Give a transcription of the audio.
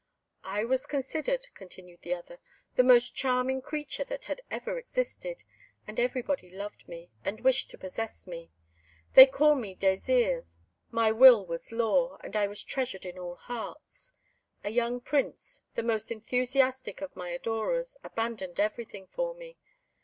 "I was considered," continued the other, "the most charming creature that had ever existed, and everybody loved me and wished to possess me: they called me Désirs; my will was law, and I was treasured in all hearts. A young prince, the most enthusiastic of my adorers, abandoned everything for me.